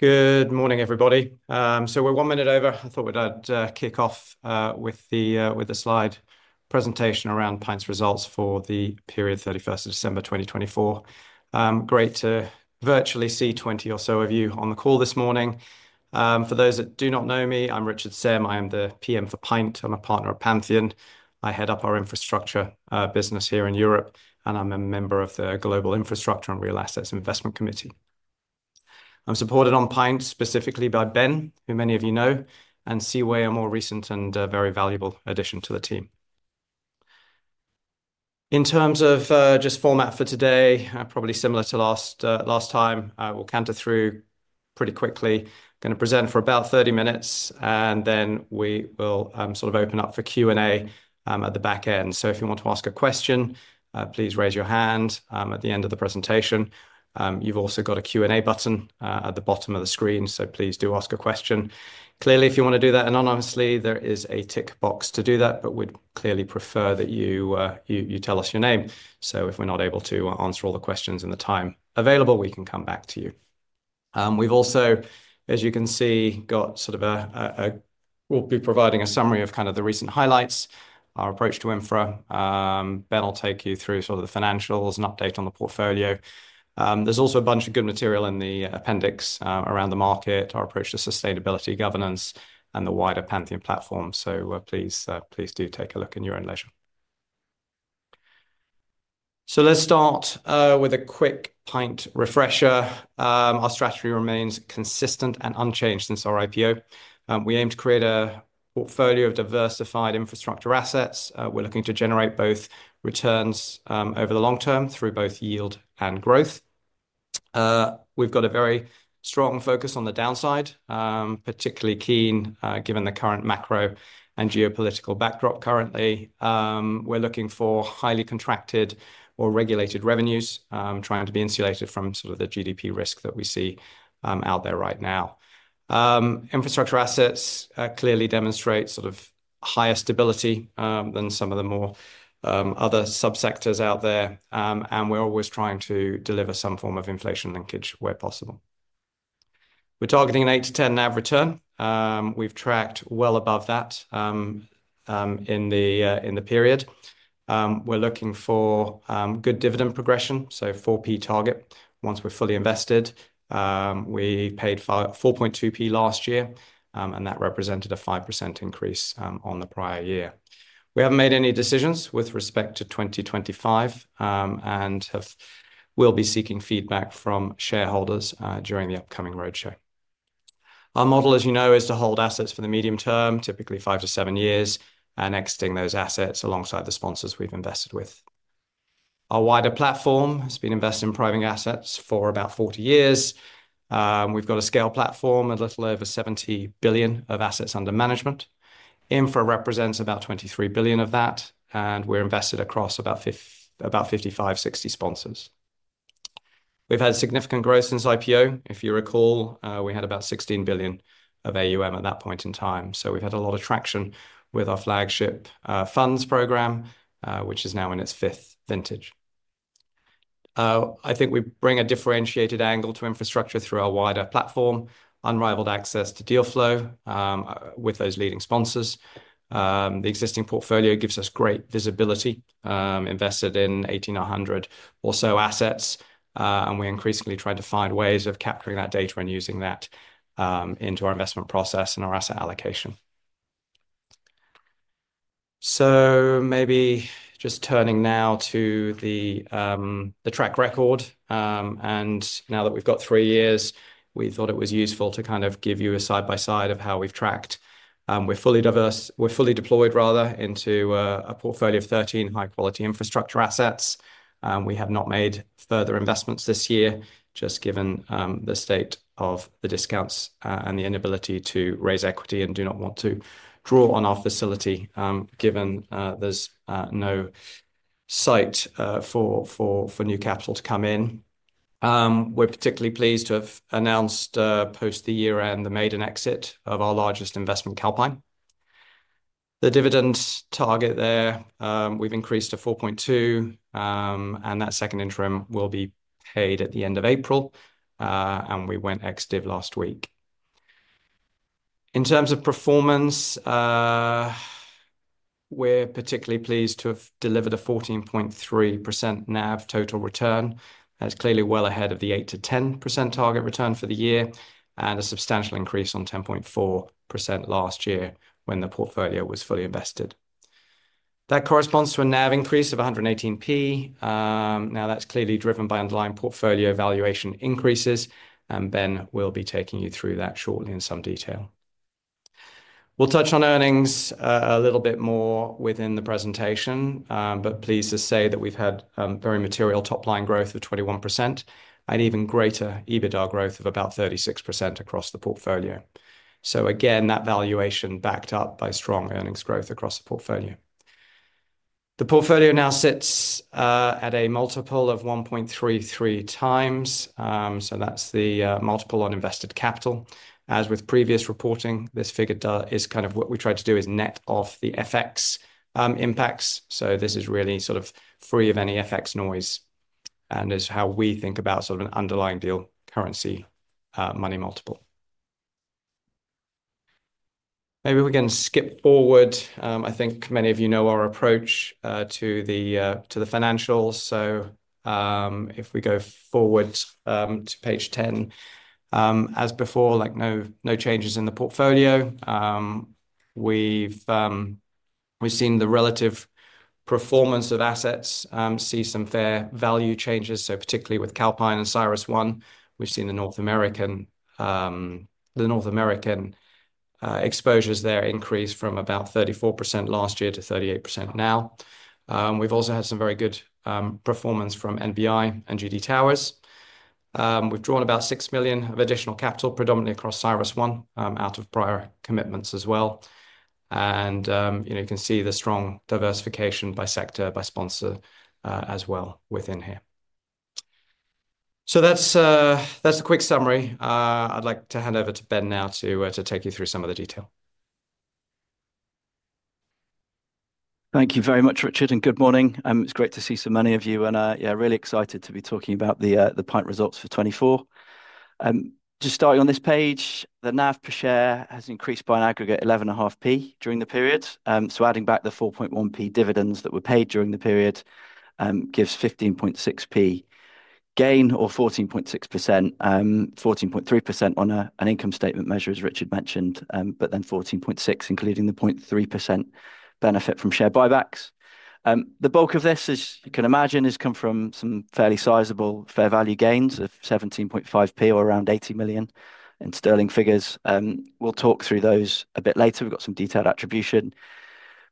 Good morning, everybody. We're one minute over. I thought we'd kick off with the slide presentation around PINT's results for the period 31st of December, 2024. Great to virtually see 20 or so of you on the call this morning. For those that do not know me, I'm Richard Sem. I am the PM for PINT. I'm a partner at Pantheon. I head up our infrastructure business here in Europe, and I'm a member of the Global Infrastructure and Real Assets Investment Committee. I'm supported on PINT specifically by Ben, who many of you know, and Jiewei, a more recent and very valuable addition to the team. In terms of just format for today, probably similar to last time, we'll canter through pretty quickly. I'm going to present for about 30 minutes, and then we will sort of open up for Q&A at the back end. If you want to ask a question, please raise your hand at the end of the presentation. You have also got a Q&A button at the bottom of the screen, so please do ask a question. Clearly, if you want to do that anonymously, there is a tick box to do that, but we would clearly prefer that you tell us your name. If we are not able to answer all the questions in the time available, we can come back to you. We have also, as you can see, got sort of a, we will be providing a summary of the recent highlights, our approach to Infra. Ben will take you through the financials, an update on the portfolio. There is also a bunch of good material in the appendix around the market, our approach to sustainability, governance, and the wider Pantheon platform. Please do take a look in your own leisure. Let's start with a quick PINT refresher. Our strategy remains consistent and unchanged since our IPO. We aim to create a portfolio of diversified infrastructure assets. We're looking to generate both returns over the long term through both yield and growth. We've got a very strong focus on the downside, particularly keen, given the current macro and geopolitical backdrop currently. We're looking for highly contracted or regulated revenues, trying to be insulated from sort of the GDP risk that we see out there right now. Infrastructure assets clearly demonstrate sort of higher stability than some of the more other subsectors out there. We're always trying to deliver some form of inflation linkage where possible. We're targeting an 8%-10% NAV return. We've tracked well above that in the period. We're looking for good dividend progression, so 4p target. Once we're fully invested, we paid 4.2p last year, and that represented a 5% increase on the prior year. We haven't made any decisions with respect to 2025, and have, will be seeking feedback from shareholders during the upcoming roadshow. Our model, as you know, is to hold assets for the medium term, typically 5-7 years, and exiting those assets alongside the sponsors we've invested with. Our wider platform has been invested in private assets for about 40 years. We've got a scale platform, a little over $70 billion of assets under management. Infra represents about $23 billion of that, and we're invested across about 55, about 55-60 sponsors. We've had significant growth since IPO. If you recall, we had about $16 billion of AUM at that point in time. We've had a lot of traction with our flagship funds program, which is now in its fifth vintage. I think we bring a differentiated angle to infrastructure through our wider platform, unrivaled access to deal flow, with those leading sponsors. The existing portfolio gives us great visibility, invested in 1,800 or so assets, and we increasingly try to find ways of capturing that data and using that into our investment process and our asset allocation. Maybe just turning now to the track record, and now that we've got three years, we thought it was useful to kind of give you a side by side of how we've tracked. We're fully deployed into a portfolio of 13 high quality infrastructure assets. We have not made further investments this year, just given the state of the discounts and the inability to raise equity and do not want to draw on our facility, given there's no sight for new capital to come in. We're particularly pleased to have announced, post the year end, the maiden exit of our largest investment, Calpine. The dividend target there, we've increased to 4.2, and that second interim will be paid at the end of April, and we went ex-div last week. In terms of performance, we're particularly pleased to have delivered a 14.3% NAV total return. That's clearly well ahead of the 8%-10% target return for the year and a substantial increase on 10.4% last year when the portfolio was fully invested. That corresponds to a NAV increase of 118. Now that's clearly driven by underlying portfolio valuation increases, and Ben will be taking you through that shortly in some detail. We'll touch on earnings a little bit more within the presentation, but please just say that we've had very material top line growth of 21% and even greater EBITDA growth of about 36% across the portfolio. That valuation is backed up by strong earnings growth across the portfolio. The portfolio now sits at a multiple of 1.33x, so that's the multiple on invested capital. As with previous reporting, this figure is what we try to do, is net off the FX impacts. This is really sort of free of any FX noise, and it's how we think about an underlying deal currency money multiple. Maybe we can skip forward. I think many of you know our approach to the financials. If we go forward to page 10, as before, no changes in the portfolio. We have seen the relative performance of assets, see some fair value changes. Particularly with Calpine and CyrusOne, we have seen the North American exposures there increase from about 34% last year to 38% now. We have also had some very good performance from NBI and GD Towers. We have drawn about 6 million of additional capital, predominantly across CyrusOne, out of prior commitments as well. You know, you can see the strong diversification by sector, by sponsor, as well within here. That is a quick summary. I would like to hand over to Ben now to take you through some of the detail. Thank you very much, Richard, and good morning. It's great to see so many of you and, yeah, really excited to be talking about the, the PINT results for 2024. Just starting on this page, the NAV per share has increased by an aggregate 0.115 during the period. Adding back the 0.041 dividends that were paid during the period gives 0.156 gain or 14.6%, 14.3% on an income statement measure, as Richard mentioned, but then 14.6%, including the 0.3% benefit from share buybacks. The bulk of this, as you can imagine, has come from some fairly sizable fair value gains of 0.175 or around 80 million in sterling figures. We will talk through those a bit later. We have got some detailed attribution.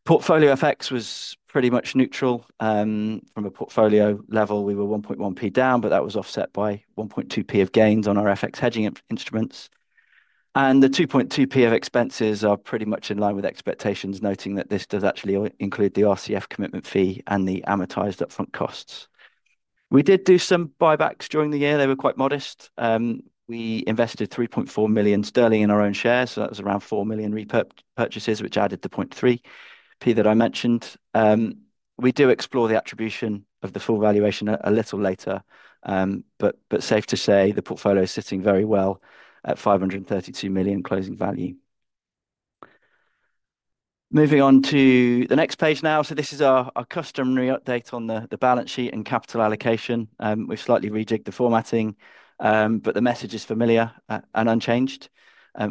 Portfolio FX was pretty much neutral. From a portfolio level, we were 0.011 down, but that was offset by 0.012 of gains on our FX hedging instruments. The 2.2p of expenses are pretty much in line with expectations, noting that this does actually include the RCF commitment fee and the amortized upfront costs. We did do some buybacks during the year. They were quite modest. We invested 3.4 million sterling in our own shares, so that was around 4 million purchases, which added the 0.3 that I mentioned. We do explore the attribution of the full valuation a little later, but safe to say the portfolio is sitting very well at 532 million closing value. Moving on to the next page now. This is our customary update on the balance sheet and capital allocation. We have slightly re-jigged the formatting, but the message is familiar and unchanged.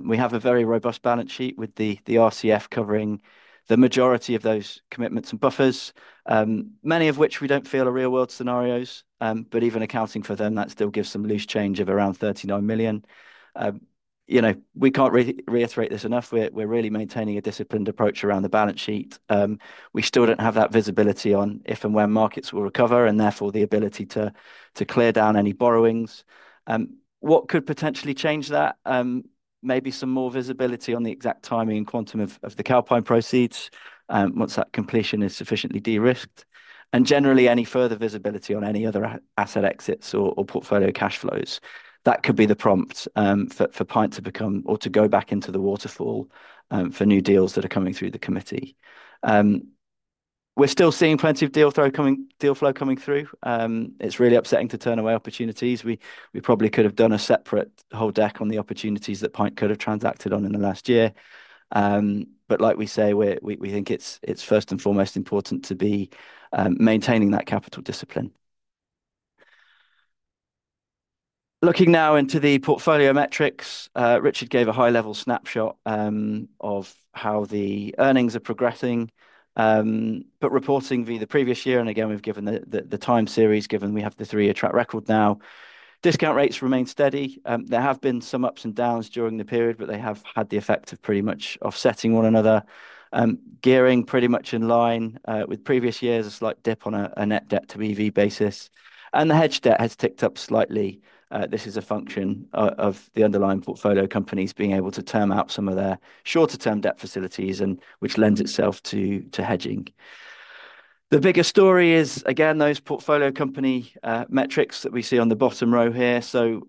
We have a very robust balance sheet with the RCF covering the majority of those commitments and buffers, many of which we don't feel are real world scenarios. Even accounting for them, that still gives some loose change of around 39 million. You know, we can't reiterate this enough. We're really maintaining a disciplined approach around the balance sheet. We still don't have that visibility on if and when markets will recover and therefore the ability to clear down any borrowings. What could potentially change that? Maybe some more visibility on the exact timing and quantum of the Calpine proceeds, once that completion is sufficiently de-risked. Generally, any further visibility on any other asset exits or portfolio cash flows. That could be the prompt for PINT to become or to go back into the waterfall for new deals that are coming through the committee. We're still seeing plenty of deal flow coming, deal flow coming through. It's really upsetting to turn away opportunities. We probably could have done a separate whole deck on the opportunities that PINT could have transacted on in the last year. Like we say, we think it's first and foremost important to be maintaining that capital discipline. Looking now into the portfolio metrics, Richard gave a high level snapshot of how the earnings are progressing, but reporting via the previous year. Again, we've given the time series given we have the three year track record now. Discount rates remain steady. There have been some ups and downs during the period, but they have had the effect of pretty much offsetting one another, gearing pretty much in line with previous years, a slight dip on a net debt to EV basis. The hedge debt has ticked up slightly. This is a function of the underlying portfolio companies being able to term out some of their shorter term debt facilities, which lends itself to hedging. The bigger story is, again, those portfolio company metrics that we see on the bottom row here.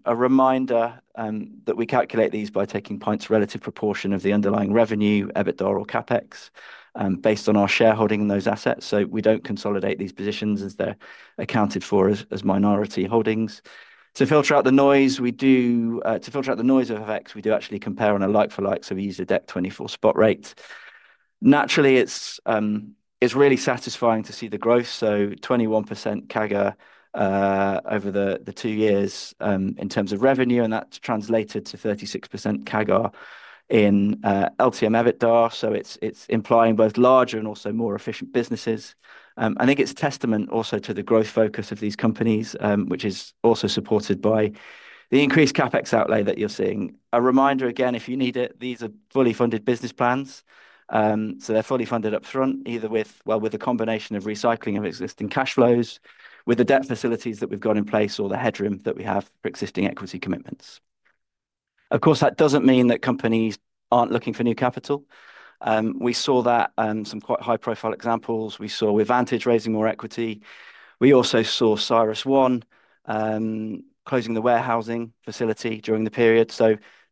A reminder that we calculate these by taking PINT's relative proportion of the underlying revenue, EBITDA, or CapEx, based on our shareholding in those assets. We do not consolidate these positions as they are accounted for as minority holdings. To filter out the noise, we do, to filter out the noise of FX, we do actually compare on a like for like. We use the December 2024 spot rate. Naturally, it's really satisfying to see the growth. 21% CAGR over the two years in terms of revenue, and that's translated to 36% CAGR in LTM EBITDA. It's implying both larger and also more efficient businesses. I think it's a testament also to the growth focus of these companies, which is also supported by the increased CapEx outlay that you're seeing. A reminder again, if you need it, these are fully funded business plans. They're fully funded upfront, either with a combination of recycling of existing cash flows, with the debt facilities that we've got in place, or the headroom that we have for existing equity commitments. Of course, that doesn't mean that companies aren't looking for new capital. We saw that, some quite high profile examples. We saw with Vantage raising more equity. We also saw CyrusOne, closing the warehousing facility during the period.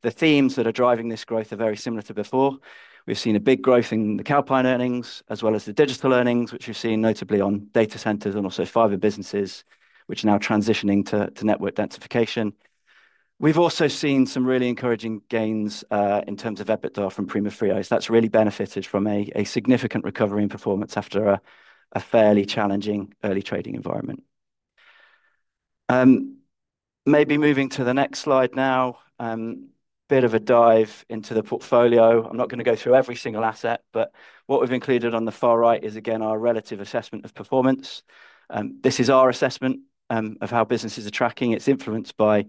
The themes that are driving this growth are very similar to before. We've seen a big growth in the Calpine earnings as well as the digital earnings, which we've seen notably on data centers and also fiber businesses, which are now transitioning to, to network densification. We've also seen some really encouraging gains, in terms of EBITDA from Primafrio. That's really benefited from a, a significant recovery in performance after a, a fairly challenging early trading environment. Maybe moving to the next slide now, bit of a dive into the portfolio. I'm not going to go through every single asset, but what we've included on the far right is again, our relative assessment of performance. This is our assessment of how businesses are tracking. It's influenced by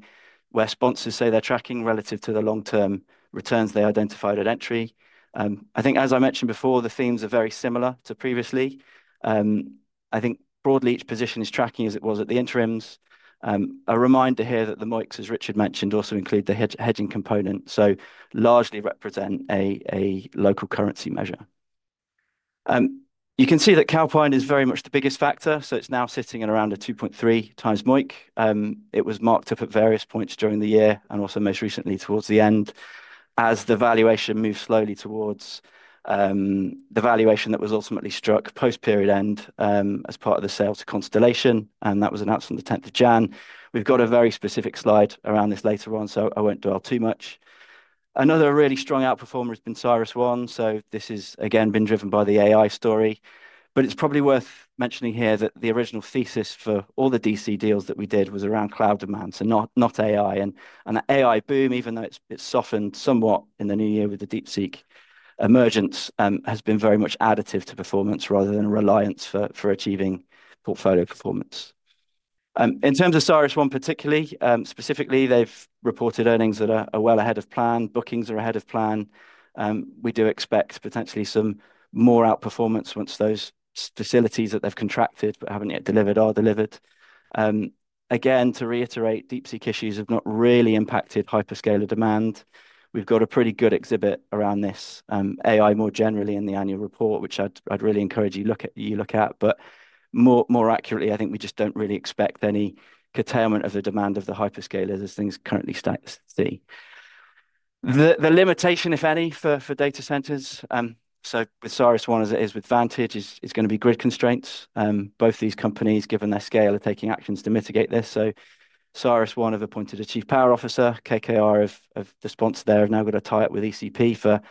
where sponsors say they're tracking relative to the long term returns they identified at entry. I think, as I mentioned before, the themes are very similar to previously. I think broadly each position is tracking as it was at the interims. A reminder here that the MOICs, as Richard mentioned, also include the hedging component, so largely represent a local currency measure. You can see that Calpine is very much the biggest factor, so it's now sitting at around a 2.3x MOIC. It was marked up at various points during the year and also most recently towards the end as the valuation moved slowly towards the valuation that was ultimately struck post period end, as part of the sales to Constellation, and that was announced on the 10th of January. We've got a very specific slide around this later on, so I won't dwell too much. Another really strong outperformer has been CyrusOne, so this has again been driven by the AI story, but it's probably worth mentioning here that the original thesis for all the DC deals that we did was around cloud demand, so not, not AI. The AI boom, even though it's softened somewhat in the new year with the DeepSeek emergence, has been very much additive to performance rather than a reliance for achieving portfolio performance. In terms of CyrusOne particularly, specifically they've reported earnings that are well ahead of plan, bookings are ahead of plan. We do expect potentially some more outperformance once those facilities that they've contracted but haven't yet delivered are delivered. Again, to reiterate, DeepSeek issues have not really impacted hyperscaler demand. We've got a pretty good exhibit around this, AI more generally in the annual report, which I'd really encourage you look at, but more accurately, I think we just don't really expect any curtailment of the demand of the hyperscalers as things currently state. The limitation, if any, for data centers, so with CyrusOne as it is with Vantage, is going to be grid constraints. Both these companies, given their scale, are taking actions to mitigate this. CyrusOne have appointed a Chief Power Officer, KKR, have the sponsor there, have now got to tie up with ECP for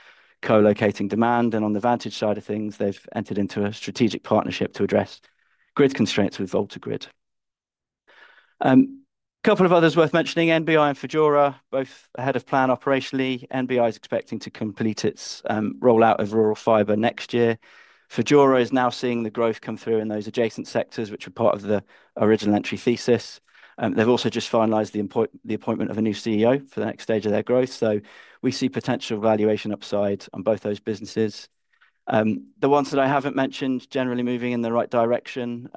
co-locating demand. On the Vantage side of things, they've entered into a strategic partnership to address grid constraints with VoltaGrid. A couple of others worth mentioning, NBI and Fudura, both ahead of plan operationally. NBI is expecting to complete its rollout of rural fiber next year. Fudura is now seeing the growth come through in those adjacent sectors, which were part of the original entry thesis. They've also just finalized the appointment of a new CEO for the next stage of their growth. We see potential valuation upside on both those businesses. The ones that I haven't mentioned generally moving in the right direction.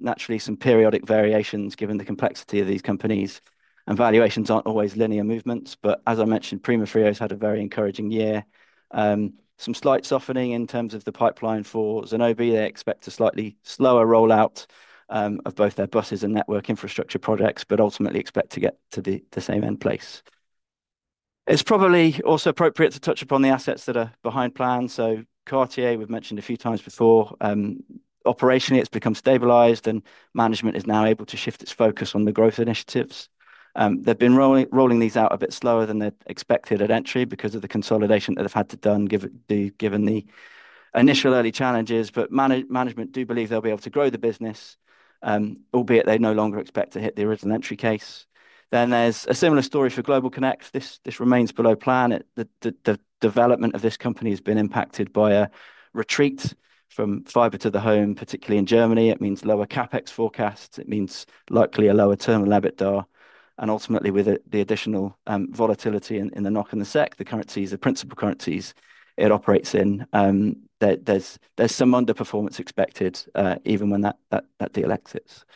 Naturally some periodic variations given the complexity of these companies and valuations aren't always linear movements. As I mentioned, Primafrio has had a very encouraging year. Some slight softening in terms of the pipeline for Zenobē. They expect a slightly slower rollout of both their buses and network infrastructure projects, but ultimately expect to get to the same end place. It is probably also appropriate to touch upon the assets that are behind plan. Cartier, we have mentioned a few times before, operationally it has become stabilized and management is now able to shift its focus on the growth initiatives. They have been rolling these out a bit slower than they expected at entry because of the consolidation that they have had to do, given the initial early challenges. Management do believe they will be able to grow the business, albeit they no longer expect to hit the original entry case. There is a similar story for GlobalConnect. This remains below plan. The development of this company has been impacted by a retreat from fiber to the home, particularly in Germany. It means lower CapEx forecasts. It means likely a lower term of EBITDA. Ultimately, with the additional volatility in the NOK and the SEK, the principal currencies it operates in, there is some underperformance expected, even when that deal exits.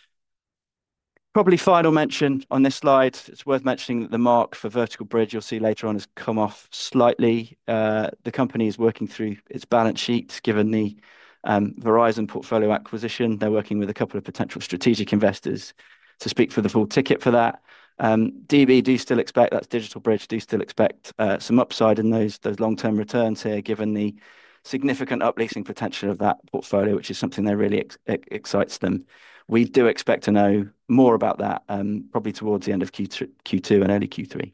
Probably final mention on this slide. It is worth mentioning that the mark for Vertical Bridge you will see later on has come off slightly. The company is working through its balance sheet given the Verizon portfolio acquisition. They are working with a couple of potential strategic investors to speak for the full ticket for that. DigitalBridge do still expect, that's DigitalBridge do still expect, some upside in those, those long term returns here given the significant uplifting potential of that portfolio, which is something that really excites them. We do expect to know more about that, probably towards the end of Q2 and early Q3.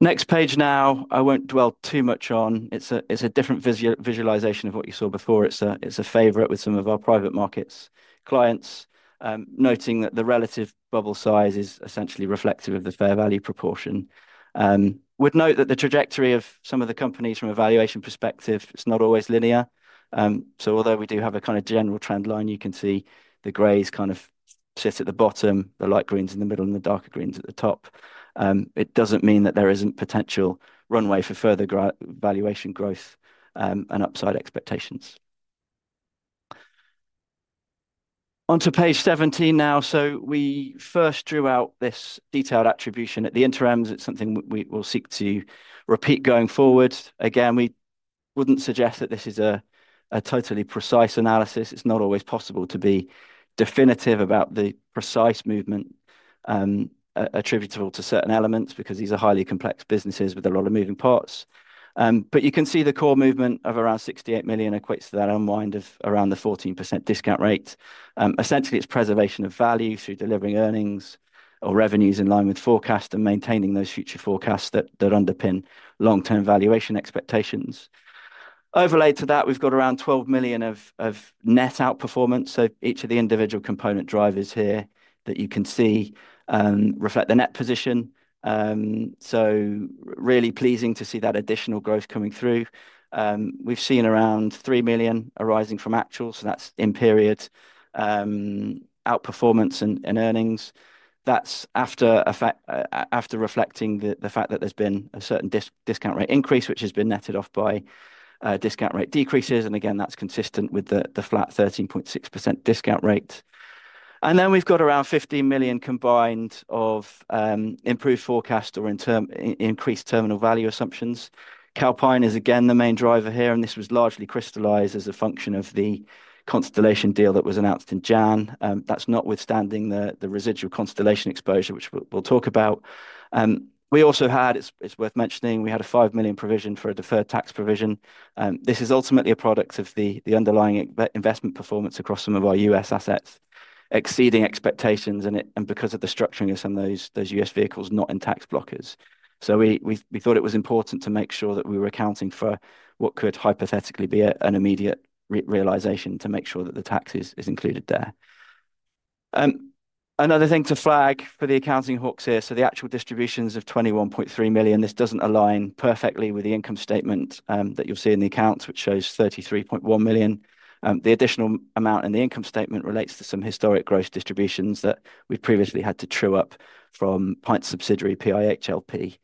Next page now, I won't dwell too much on. It's a, it's a different visualization of what you saw before. It's a, it's a favorite with some of our private markets clients, noting that the relative bubble size is essentially reflective of the fair value proportion. I would note that the trajectory of some of the companies from a valuation perspective, it's not always linear. Although we do have a kind of general trend line, you can see the grays kind of sit at the bottom, the light greens in the middle and the darker greens at the top. It doesn't mean that there isn't potential runway for further valuation growth, and upside expectations. Onto Page 17 now. We first drew out this detailed attribution at the interims. It's something we will seek to repeat going forward. Again, we wouldn't suggest that this is a totally precise analysis. It's not always possible to be definitive about the precise movement attributable to certain elements because these are highly complex businesses with a lot of moving parts. You can see the core movement of around 68 million equates to that unwind of around the 14% discount rate. Essentially, it's preservation of value through delivering earnings or revenues in line with forecast and maintaining those future forecasts that underpin long-term valuation expectations. Overlay to that, we've got around 12 million of net outperformance. Each of the individual component drivers here that you can see reflect the net position. Really pleasing to see that additional growth coming through. We've seen around 3 million arising from actual. That is in-period outperformance and earnings. That is after reflecting the fact that there has been a certain discount rate increase, which has been netted off by discount rate decreases. Again, that is consistent with the flat 13.6% discount rate. Then we have around 15 million combined of improved forecast or, in turn, increased terminal value assumptions. Calpine is again the main driver here, and this was largely crystallized as a function of the Constellation deal that was announced in January. That is notwithstanding the residual Constellation exposure, which we will talk about. We also had, it's worth mentioning, we had a $5 million provision for a deferred tax provision. This is ultimately a product of the underlying investment performance across some of our U.S. assets exceeding expectations. It, and because of the structuring of some of those U.S. vehicles not in tax blockers. We thought it was important to make sure that we were accounting for what could hypothetically be an immediate realization to make sure that the tax is included there. Another thing to flag for the accounting hooks here. The actual distributions of $21.3 million, this doesn't align perfectly with the income statement that you'll see in the accounts, which shows $33.1 million. The additional amount in the income statement relates to some historic gross distributions that we've previously had to true up from PINT's subsidiary PIH LP.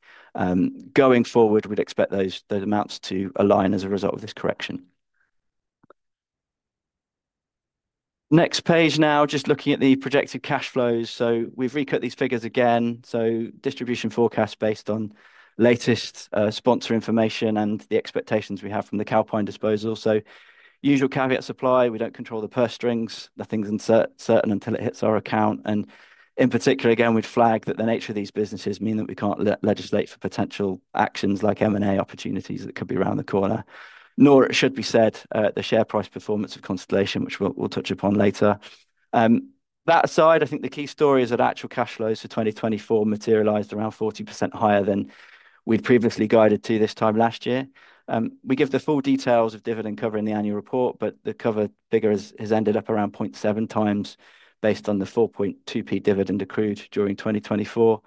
Going forward, we'd expect those amounts to align as a result of this correction. Next page now, just looking at the projected cash flows. We've recooked these figures again. Distribution forecast based on latest sponsor information and the expectations we have from the Calpine disposal. Usual caveats apply, we don't control the purse strings. Nothing's certain until it hits our account. In particular, we'd flag that the nature of these businesses means that we can't legislate for potential actions like M&A opportunities that could be around the corner. Nor, it should be said, the share price performance of Constellation, which we'll touch upon later. That aside, I think the key story is that actual cash flows for 2024 materialized around 40% higher than we'd previously guided to this time last year. We give the full details of dividend cover in the annual report, but the cover figure has ended up around 0.7x based on the 0.42 dividend accrued during 2024.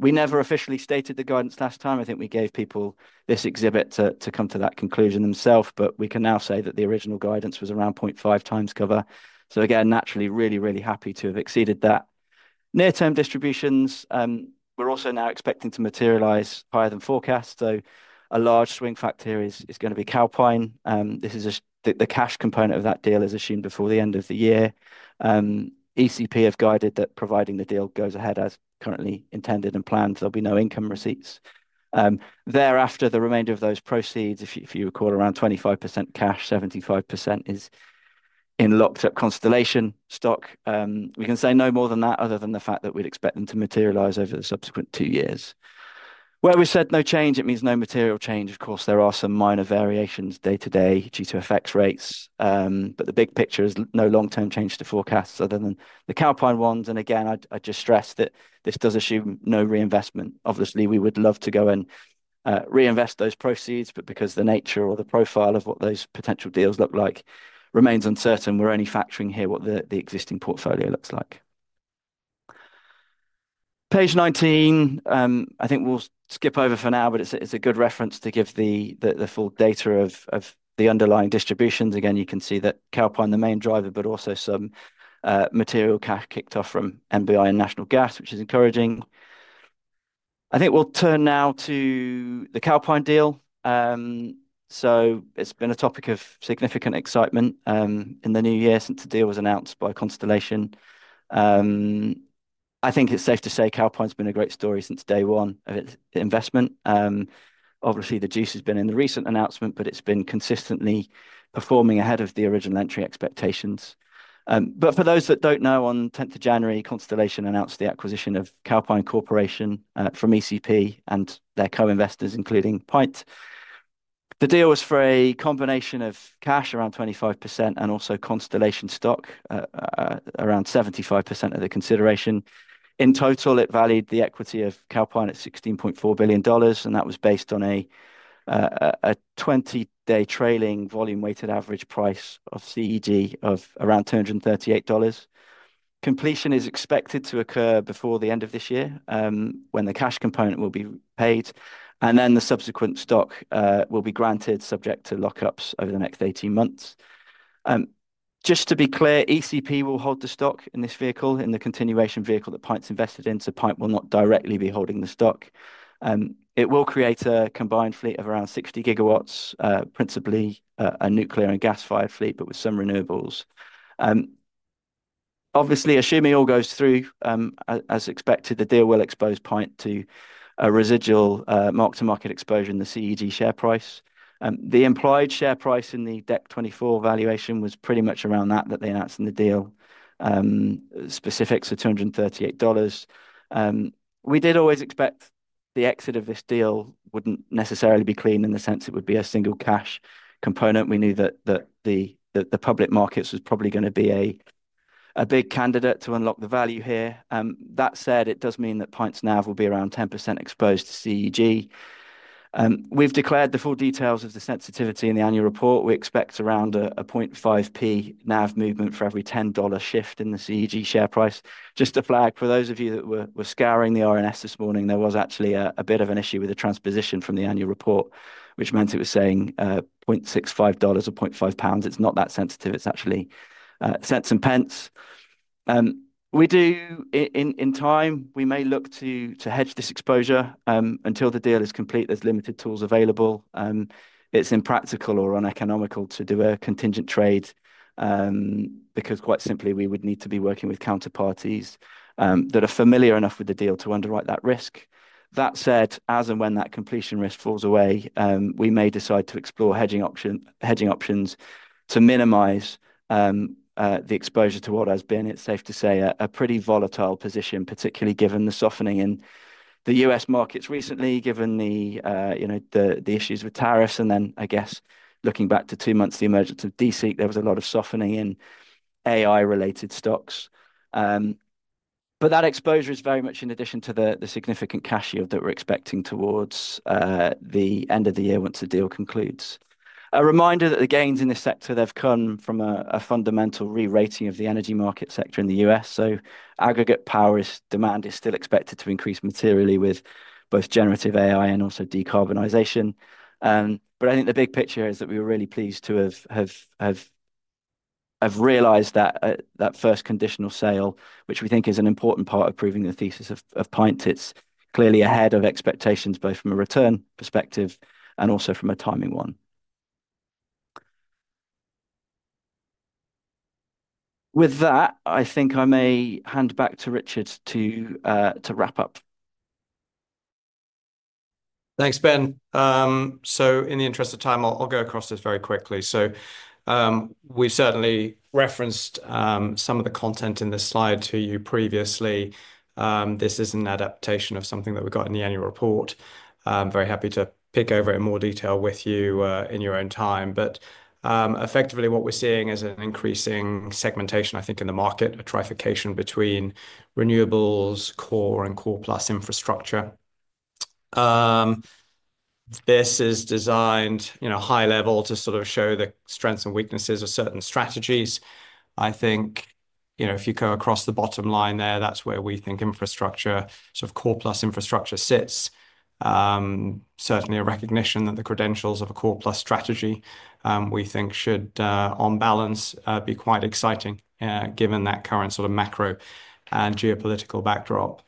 We never officially stated the guidance last time. I think we gave people this exhibit to come to that conclusion themselves, but we can now say that the original guidance was around 0.5x cover. Naturally, really, really happy to have exceeded that. Near-term distributions, we're also now expecting to materialize higher than forecast. A large swing factor is going to be Calpine. This is the cash component of that deal as assumed before the end of the year. ECP have guided that providing the deal goes ahead as currently intended and planned, there'll be no income receipts. Thereafter, the remainder of those proceeds, if you recall, around 25% cash, 75% is in locked up Constellation stock. We can say no more than that other than the fact that we'd expect them to materialize over the subsequent two years. Where we said no change, it means no material change. Of course, there are some minor variations day to day due to effects rates. The big picture is no long term change to forecasts other than the Calpine ones. I just stress that this does assume no reinvestment. Obviously, we would love to go and reinvest those proceeds, but because the nature or the profile of what those potential deals look like remains uncertain, we're only factoring here what the existing portfolio looks like. Page 19, I think we'll skip over for now, but it's a good reference to give the full data of the underlying distributions. Again, you can see that Calpine, the main driver, but also some material cash kicked off from NBI and National Gas, which is encouraging. I think we'll turn now to the Calpine deal. It's been a topic of significant excitement in the new year since the deal was announced by Constellation. I think it's safe to say Calpine's been a great story since day one of its investment. Obviously the juice has been in the recent announcement, but it's been consistently performing ahead of the original entry expectations. For those that don't know, on 10th of January, Constellation announced the acquisition of Calpine Corporation from ECP and their co-investors, including PINT. The deal was for a combination of cash, around 25%, and also Constellation stock, around 75% of the consideration. In total, it valued the equity of Calpine at $16.4 billion, and that was based on a 20-day trailing volume weighted average price of CEG of around $238. Completion is expected to occur before the end of this year, when the cash component will be paid and then the subsequent stock will be granted subject to lockups over the next 18 months. Just to be clear, ECP will hold the stock in this vehicle, in the continuation vehicle that PINT's invested into. PINT will not directly be holding the stock. It will create a combined fleet of around 60 GW, principally a nuclear and gas fired fleet, but with some renewables. Obviously, assuming all goes through as expected, the deal will expose PINT to a residual, mark to market exposure in the CEG share price. The implied share price in the December 2024 valuation was pretty much around that that they announced in the deal. Specifics are $238. We did always expect the exit of this deal would not necessarily be clean in the sense it would be a single cash component. We knew that the public markets was probably going to be a big candidate to unlock the value here. That said, it does mean that PINT's NAV will be around 10% exposed to CEG. We have declared the full details of the sensitivity in the annual report. We expect around a 0.5p NAV movement for every $10 shift in the CEG share price. Just a flag for those of you that were scouring the RNS this morning, there was actually a bit of an issue with the transposition from the annual report, which meant it was saying, $0.65 or 0.5 pounds. It is not that sensitive. It is actually cents and pence. We do, in time, we may look to hedge this exposure until the deal is complete. There are limited tools available. It is impractical or uneconomical to do a contingent trade, because quite simply we would need to be working with counterparties that are familiar enough with the deal to underwrite that risk. That said, as and when that completion risk falls away, we may decide to explore hedging options, hedging options to minimize the exposure to what has been, it's safe to say, a pretty volatile position, particularly given the softening in the U.S. markets recently, given the, you know, the issues with tariffs. I guess looking back to two months, the emergence of DeepSeek, there was a lot of softening in AI related stocks. That exposure is very much in addition to the significant cash yield that we're expecting towards the end of the year once the deal concludes. A reminder that the gains in this sector, they've come from a fundamental re-rating of the energy market sector in the U.S. Aggregate power demand is still expected to increase materially with both generative AI and also decarbonization. I think the big picture here is that we were really pleased to have realized that first conditional sale, which we think is an important part of proving the thesis of Pint. It is clearly ahead of expectations both from a return perspective and also from a timing one. With that, I think I may hand back to Richard to wrap up. Thanks, Ben. In the interest of time, I'll go across this very quickly. We have certainly referenced some of the content in this slide to you previously. This is an adaptation of something that we got in the annual report. Very happy to pick over it in more detail with you in your own time. Effectively, what we are seeing is an increasing segmentation, I think, in the market, a trifurcation between renewables, core and core plus infrastructure. This is designed, you know, high level to sort of show the strengths and weaknesses of certain strategies. I think, you know, if you go across the bottom line there, that's where we think infrastructure, sort of core plus infrastructure sits. Certainly a recognition that the credentials of a core plus strategy, we think should, on balance, be quite exciting, given that current sort of macro and geopolitical backdrop.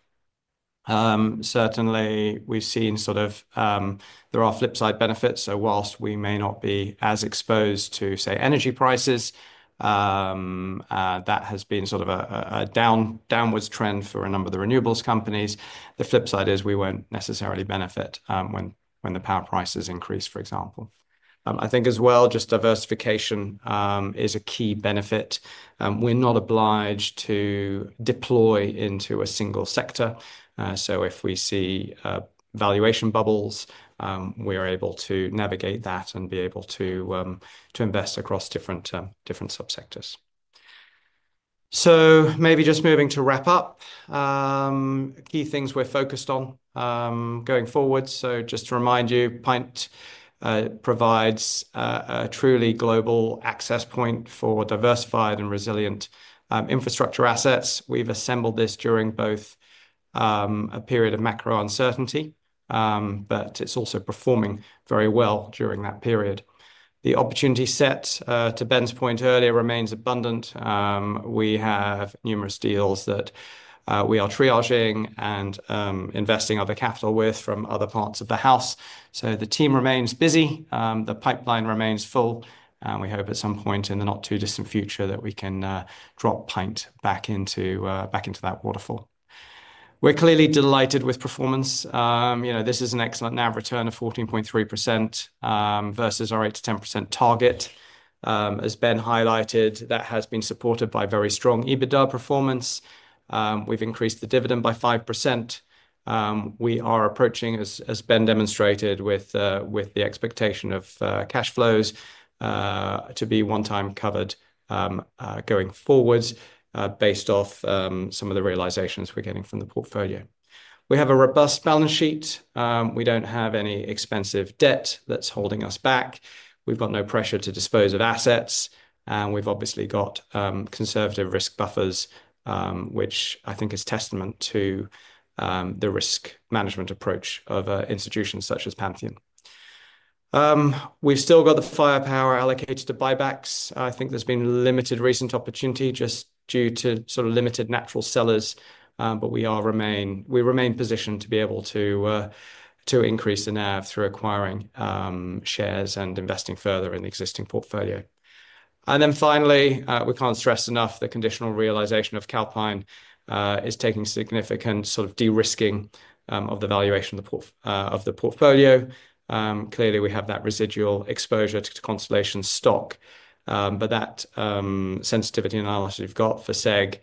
Certainly we've seen sort of, there are flip side benefits. Whilst we may not be as exposed to, say, energy prices, that has been sort of a downwards trend for a number of the renewables companies. The flip side is we won't necessarily benefit when the power prices increase, for example. I think as well, just diversification is a key benefit. We're not obliged to deploy into a single sector. If we see valuation bubbles, we are able to navigate that and be able to invest across different, different subsectors. Maybe just moving to wrap up, key things we're focused on going forward. Just to remind you, PINT provides a truly global access point for diversified and resilient infrastructure assets. We've assembled this during both a period of macro uncertainty, but it's also performing very well during that period. The opportunity set, to Ben's point earlier, remains abundant. We have numerous deals that we are triaging and investing other capital with from other parts of the house. The team remains busy. The pipeline remains full. We hope at some point in the not too distant future that we can drop PINT back into that waterfall. We're clearly delighted with performance. You know, this is an excellent NAV return of 14.3%, versus our 8%-10% target. As Ben highlighted, that has been supported by very strong EBITDA performance. We've increased the dividend by 5%. We are approaching, as Ben demonstrated with the expectation of cash flows, to be one time covered, going forwards, based off some of the realizations we're getting from the portfolio. We have a robust balance sheet. We do not have any expensive debt that's holding us back. We've got no pressure to dispose of assets. We've obviously got conservative risk buffers, which I think is testament to the risk management approach of institutions such as Pantheon. We've still got the firepower allocated to buybacks. I think there's been limited recent opportunity just due to sort of limited natural sellers. We remain positioned to be able to increase the NAV through acquiring shares and investing further in the existing portfolio. Finally, we cannot stress enough the conditional realization of Calpine is taking significant sort of de-risking of the valuation of the portfolio. Clearly we have that residual exposure to Constellation stock, but that sensitivity analysis you have for SEK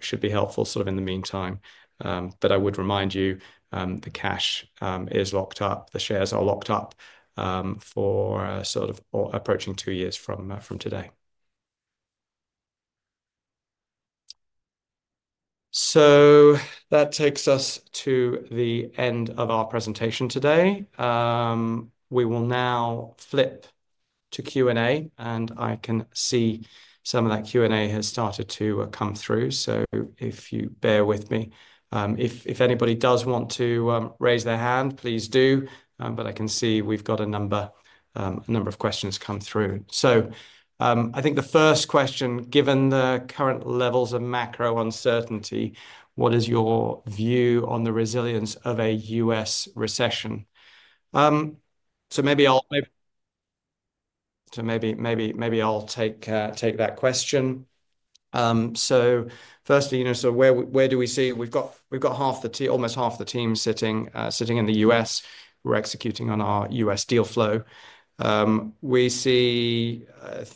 should be helpful in the meantime. I would remind you, the cash is locked up. The shares are locked up for sort of approaching two years from today. That takes us to the end of our presentation today. We will now flip to Q&A and I can see some of that Q&A has started to come through. If you bear with me, if anybody does want to raise their hand, please do. I can see we've got a number, a number of questions come through. I think the first question, given the current levels of macro uncertainty, what is your view on the resilience of a U.S. recession? Maybe I'll take that question. Firstly, you know, where do we see? We've got half the team, almost half the team sitting in the U.S., we're executing on our US deal flow. We see,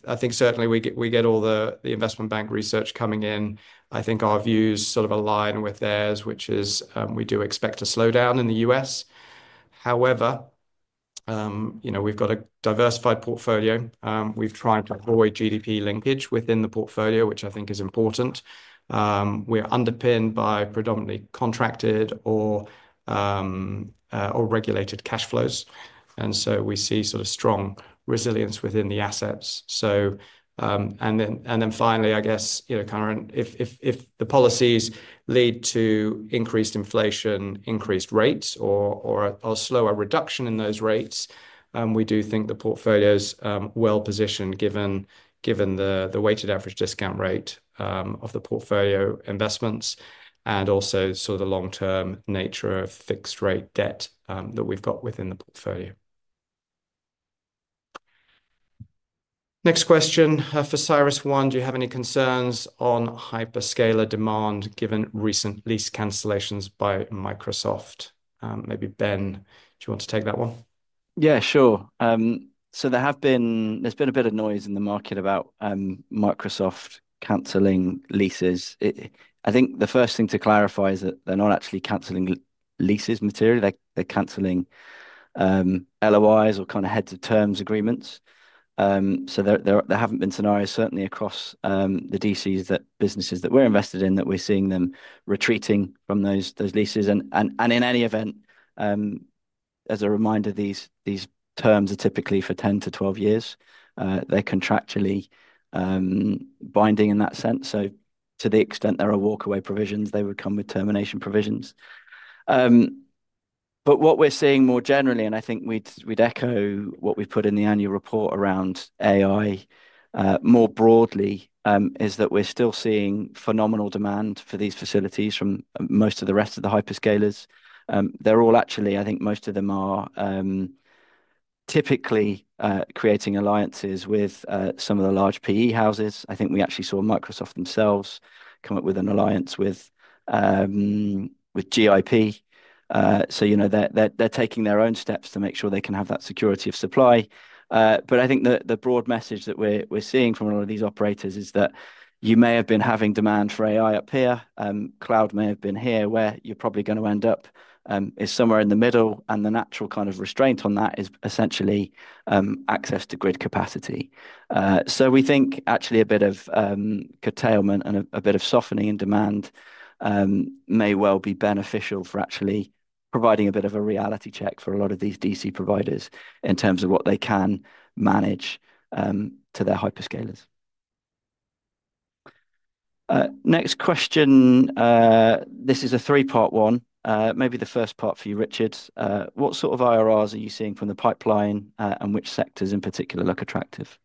I think certainly we get all the investment bank research coming in. I think our views sort of align with theirs, which is, we do expect a slowdown in the U.S. However, you know, we've got a diversified portfolio. We've tried to avoid GDP linkage within the portfolio, which I think is important. We are underpinned by predominantly contracted or, or regulated cash flows. We see sort of strong resilience within the assets. Finally, I guess, you know, current, if the policies lead to increased inflation, increased rates, or a slower reduction in those rates, we do think the portfolio is well positioned given the weighted average discount rate of the portfolio investments and also sort of the long-term nature of fixed rate debt that we've got within the portfolio. Next question, for CyrusOne, do you have any concerns on hyperscaler demand given recent lease cancellations by Microsoft? Maybe Ben, do you want to take that one? Yeah, sure. There has been a bit of noise in the market about Microsoft cancelling leases. I think the first thing to clarify is that they're not actually cancelling leases materially. They're cancelling LOIs or kind of heads of terms agreements. There haven't been scenarios certainly across the DCs that businesses that we're invested in that we're seeing them retreating from those leases. In any event, as a reminder, these terms are typically for 10-12 years. They're contractually binding in that sense. To the extent there are walkaway provisions, they would come with termination provisions. What we're seeing more generally, and I think we'd echo what we've put in the annual report around AI more broadly, is that we're still seeing phenomenal demand for these facilities from most of the rest of the hyperscalers. They're all actually, I think most of them are, typically, creating alliances with some of the large PE houses. I think we actually saw Microsoft themselves come up with an alliance with GIP. You know, they're taking their own steps to make sure they can have that security of supply. I think the broad message that we're seeing from a lot of these operators is that you may have been having demand for AI up here. Cloud may have been here. Where you're probably going to end up is somewhere in the middle. The natural kind of restraint on that is essentially access to grid capacity. We think actually a bit of curtailment and a bit of softening in demand may well be beneficial for actually providing a bit of a reality check for a lot of these DC providers in terms of what they can manage to their hyperscalers. Next question. This is a three-part one. Maybe the first part for you, Richard. What sort of IRRs are you seeing from the pipeline, and which sectors in particular look attractive?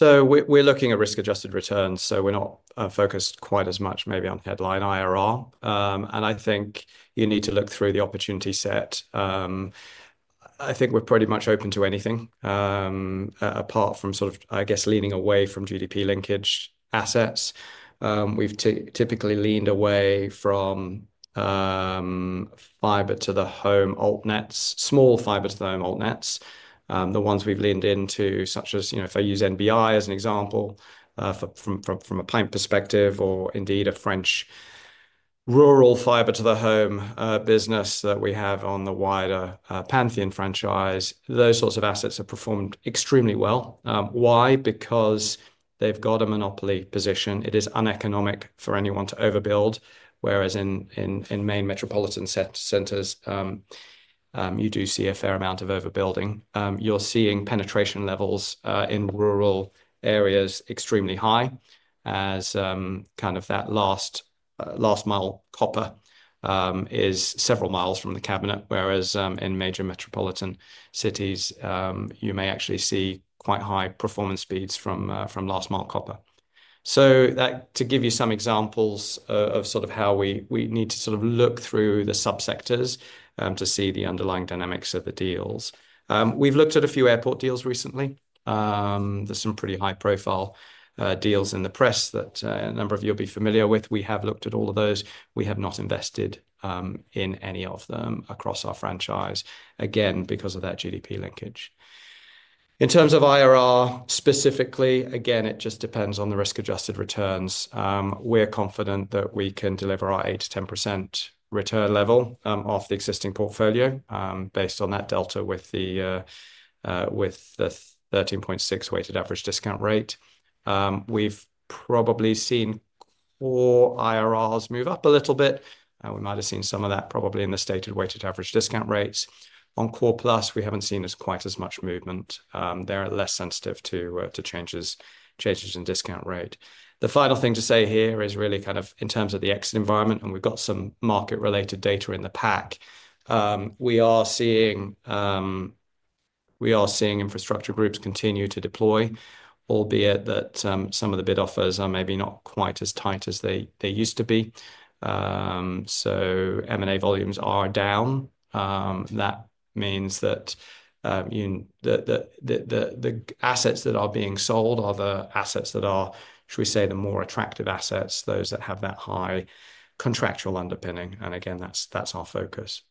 We are looking at risk-adjusted returns. We are not focused quite as much maybe on headline IRR. I think you need to look through the opportunity set. I think we are pretty much open to anything, apart from sort of, I guess, leaning away from GDP linkage assets. We have typically leaned away from fiber to the home alt nets, small fiber to the home alt nets. The ones we've leaned into, such as, you know, if I use NBI as an example, from a PINT perspective or indeed a French rural fiber to the home business that we have on the wider Pantheon franchise, those sorts of assets have performed extremely well. Why? Because they've got a monopoly position. It is uneconomic for anyone to overbuild. Whereas in main metropolitan centers, you do see a fair amount of overbuilding. You're seeing penetration levels in rural areas extremely high as, kind of that last, last mile copper is several miles from the cabinet. Whereas, in major metropolitan cities, you may actually see quite high performance speeds from last mile copper. That gives you some examples of how we need to look through the subsectors to see the underlying dynamics of the deals. We've looked at a few airport deals recently. There's some pretty high profile deals in the press that a number of you will be familiar with. We have looked at all of those. We have not invested in any of them across our franchise, again, because of that GDP linkage. In terms of IRR specifically, again, it just depends on the risk-adjusted returns. We're confident that we can deliver our 8%-10% return level off the existing portfolio, based on that delta with the 13.6% weighted average discount rate. We've probably seen core IRRs move up a little bit. We might have seen some of that probably in the stated weighted average discount rates. On Core-plus, we haven't seen as quite as much movement. They're less sensitive to changes in discount rate. The final thing to say here is really kind of in terms of the exit environment and we've got some market-related data in the pack. We are seeing, we are seeing infrastructure groups continue to deploy, albeit that some of the bid offers are maybe not quite as tight as they used to be. M&A volumes are down. That means that, you know, the assets that are being sold are the assets that are, shall we say, the more attractive assets, those that have that high contractual underpinning. Again, that's our focus.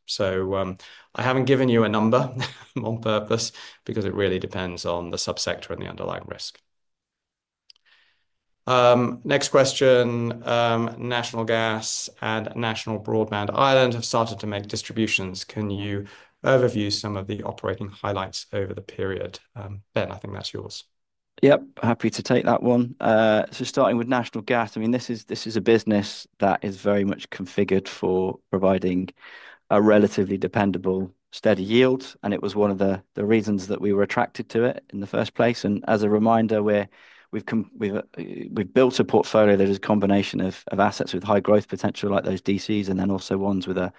I haven't given you a number on purpose because it really depends on the subsector and the underlying risk. Next question. National Gas and National Broadband Ireland have started to make distributions. Can you overview some of the operating highlights over the period? Ben, I think that's yours. Yep, happy to take that one. Starting with National Gas, I mean, this is a business that is very much configured for providing a relatively dependable steady yield. It was one of the reasons that we were attracted to it in the first place. As a reminder, we've built a portfolio that is a combination of assets with high growth potential like those DCs and then also ones with a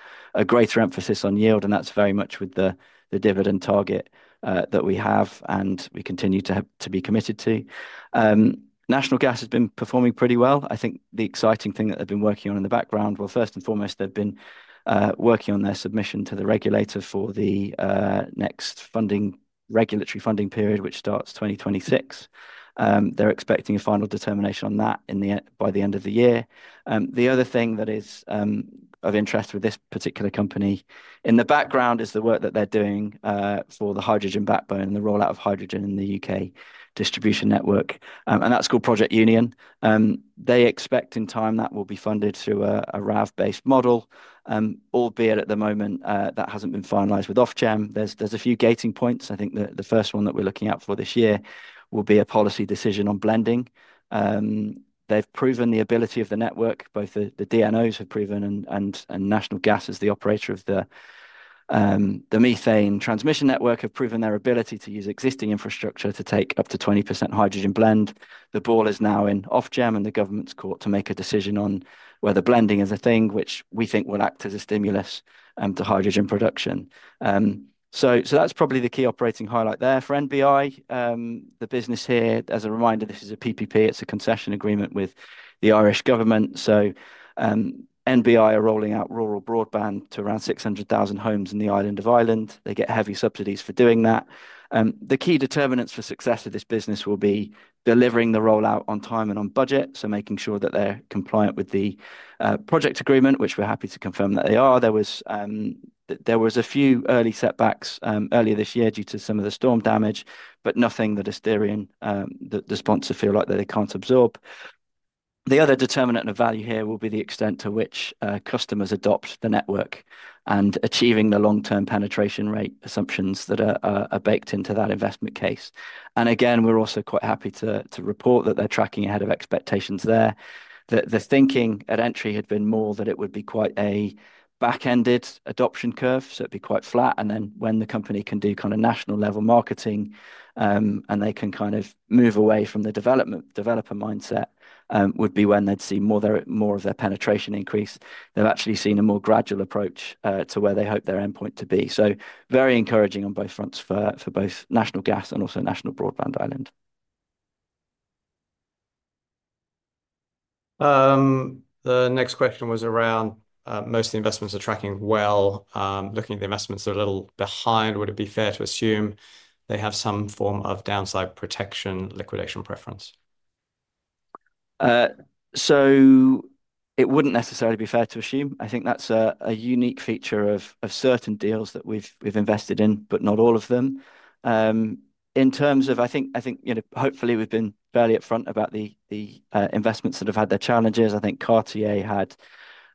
greater emphasis on yield. That is very much with the dividend target that we have and we continue to be committed to. National Gas has been performing pretty well. I think the exciting thing that they've been working on in the background, first and foremost, they've been working on their submission to the regulator for the next regulatory funding period, which starts 2026. They're expecting a final determination on that by the end of the year. The other thing that is of interest with this particular company in the background is the work that they're doing for the hydrogen backbone and the rollout of hydrogen in the U.K. distribution network, and that's called Project Union. They expect in time that will be funded through a RAV-based model, albeit at the moment, that hasn't been finalized with Ofgem. There's a few gating points. I think the first one that we're looking out for this year will be a policy decision on blending. They've proven the ability of the network, both the DNOs have proven and National Gas as the operator of the methane transmission network have proven their ability to use existing infrastructure to take up to 20% hydrogen blend. The ball is now in Ofgem and the government's court to make a decision on whether blending is a thing, which we think will act as a stimulus to hydrogen production. That is probably the key operating highlight there for NBI. The business here, as a reminder, this is a PPP. It is a concession agreement with the Irish government. NBI are rolling out rural broadband to around 600,000 homes in the island of Ireland. They get heavy subsidies for doing that. The key determinants for success of this business will be delivering the rollout on time and on budget. Making sure that they are compliant with the project agreement, which we are happy to confirm that they are. There was a few early setbacks earlier this year due to some of the storm damage, but nothing that is derailing, that the sponsor feel like that they can't absorb. The other determinant of value here will be the extent to which customers adopt the network and achieving the long-term penetration rate assumptions that are baked into that investment case. Again, we're also quite happy to report that they're tracking ahead of expectations there. The thinking at entry had been more that it would be quite a back-ended adoption curve, so it'd be quite flat. When the company can do kind of national level marketing, and they can kind of move away from the developer mindset, would be when they'd see more of their penetration increase. They've actually seen a more gradual approach to where they hope their endpoint to be. Very encouraging on both fronts for both National Gas and also National Broadband Ireland. The next question was around most of the investments are tracking well. Looking at the investments that are a little behind, would it be fair to assume they have some form of downside protection liquidation preference? It wouldn't necessarily be fair to assume. I think that's a unique feature of certain deals that we've invested in, but not all of them. In terms of, I think, you know, hopefully we've been fairly upfront about the investments that have had their challenges. I think Cartier had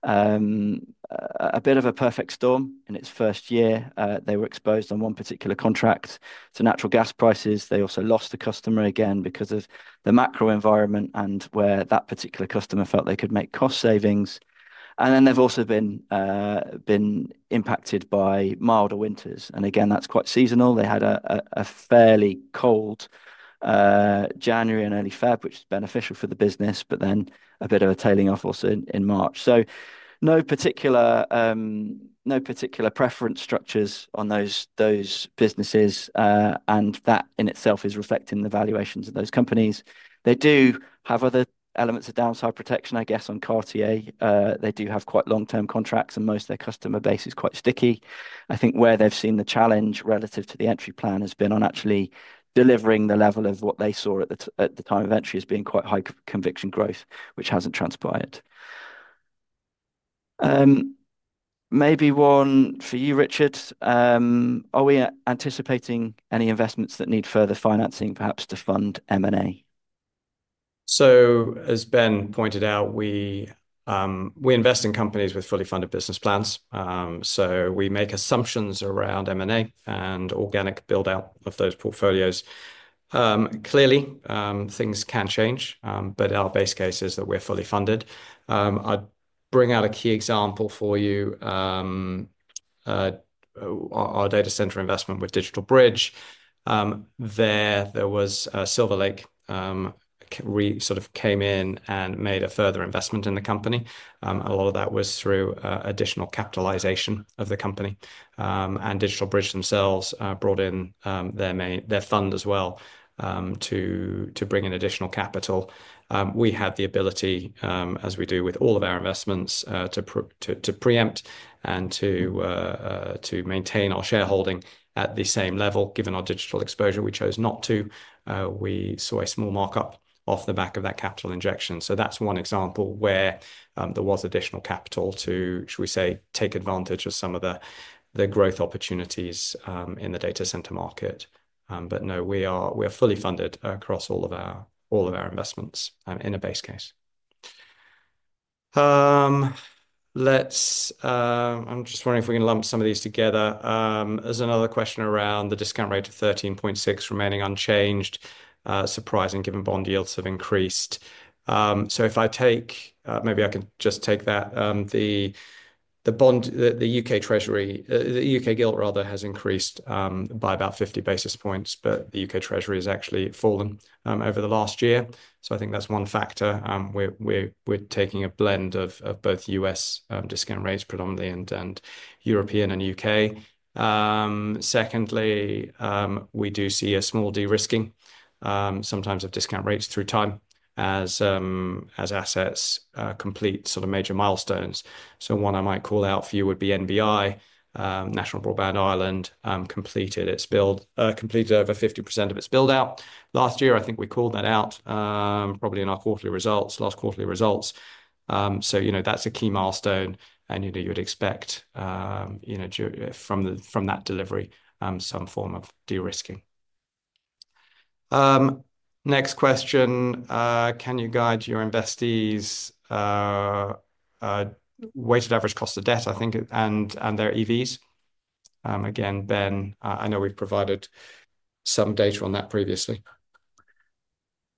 a bit of a perfect storm in its first year. They were exposed on one particular contract to natural gas prices. They also lost a customer again because of the macro environment and where that particular customer felt they could make cost savings. They have also been impacted by milder winters. That is quite seasonal. They had a fairly cold January and early February, which is beneficial for the business, but then a bit of a tailing off also in March. No particular preference structures on those businesses. That in itself is reflecting the valuations of those companies. They do have other elements of downside protection, I guess, on Cartier. They do have quite long-term contracts and most of their customer base is quite sticky. I think where they've seen the challenge relative to the entry plan has been on actually delivering the level of what they saw at the, at the time of entry as being quite high conviction growth, which hasn't transpired. Maybe one for you, Richard. Are we anticipating any investments that need further financing, perhaps to fund M&A? As Ben pointed out, we invest in companies with fully funded business plans. We make assumptions around M&A and organic buildout of those portfolios. Clearly, things can change, but our base case is that we're fully funded. I bring out a key example for you. Our data center investment with DigitalBridge, there was a Silver Lake, we sort of came in and made a further investment in the company. A lot of that was through additional capitalization of the company. and DigitalBridge themselves, brought in, their main, their fund as well, to bring in additional capital. We have the ability, as we do with all of our investments, to preempt and to maintain our shareholding at the same level. Given our digital exposure, we chose not to. We saw a small markup off the back of that capital injection. That is one example where there was additional capital to, shall we say, take advantage of some of the growth opportunities in the data center market. We are fully funded across all of our investments, in a base case. I am just wondering if we can lump some of these together. There is another question around the discount rate of 13.6% remaining unchanged, surprising given bond yields have increased. If I take, maybe I can just take that, the bond, the U.K. Treasury, the U.K. gilt rather has increased by about 50 basis points, but the U.K. Treasury has actually fallen over the last year. I think that's one factor. We're taking a blend of both U.S. discount rates predominantly and European and U.K. Secondly, we do see a small de-risking sometimes of discount rates through time as assets complete sort of major milestones. One I might call out for you would be NBI, National Broadband Ireland, completed its build, completed over 50% of its buildout last year. I think we called that out, probably in our quarterly results, last quarterly results. You know, that's a key milestone and, you know, you would expect, you know, from that delivery, some form of de-risking. Next question, can you guide your investees, weighted average cost of debt, I think, and their EVs? I know we've provided some data on that previously.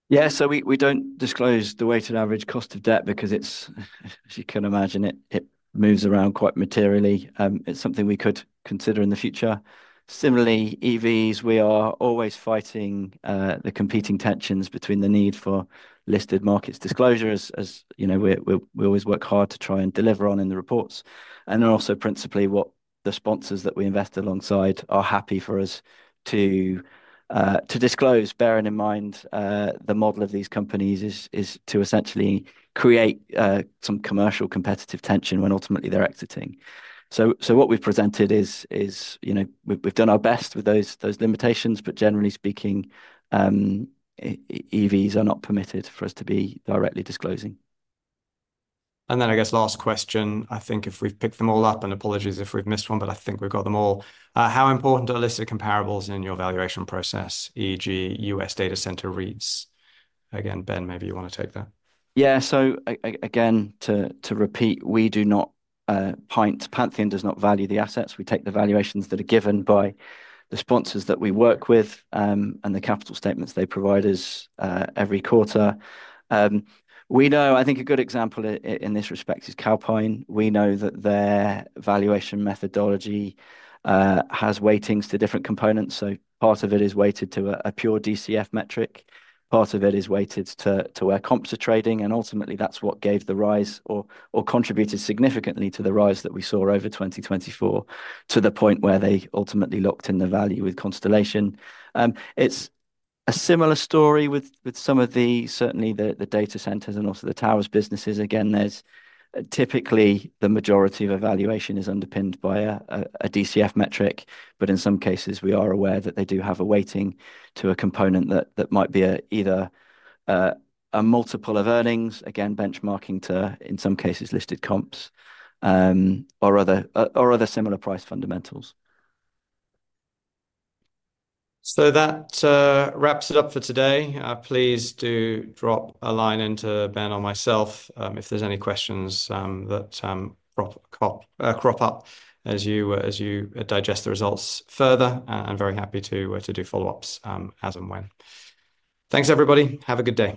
Yeah, we don't disclose the weighted average cost of debt because it's, as you can imagine, it moves around quite materially. It's something we could consider in the future. Similarly, EVs, we are always fighting the competing tensions between the need for listed markets disclosure, as you know, we always work hard to try and deliver on in the reports. Also, principally what the sponsors that we invest alongside are happy for us to disclose, bearing in mind the model of these companies is to essentially create some commercial competitive tension when ultimately they're exiting. What we've presented is, you know, we've done our best with those limitations, but generally speaking, EVs are not permitted for us to be directly disclosing. I guess last question, I think if we've picked them all up and apologies if we've missed one, but I think we've got them all. How important are listed comparables in your valuation process, e.g., U.S. data center REITs? Again, Ben, maybe you wanna take that. Yeah, so again, to repeat, we do not, PINT, Pantheon does not value the assets. We take the valuations that are given by the sponsors that we work with, and the capital statements they provide us every quarter. We know, I think a good example in this respect is Calpine. We know that their valuation methodology has weightings to different components. Part of it is weighted to a pure DCF metric. Part of it is weighted to where comps are trading. Ultimately, that is what gave the rise or contributed significantly to the rise that we saw over 2024 to the point where they ultimately locked in the value with Constellation. It is a similar story with some of the, certainly the data centers and also the towers businesses. Again, typically the majority of a valuation is underpinned by a DCF metric, but in some cases we are aware that they do have a weighting to a component that might be either a multiple of earnings, again, benchmarking to in some cases listed comps, or other similar price fundamentals. That wraps it up for today. Please do drop a line into Ben or myself if there's any questions that crop up as you digest the results further. I'm very happy to do follow-ups as and when. Thanks everybody. Have a good day.